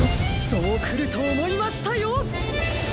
そうくるとおもいましたよ！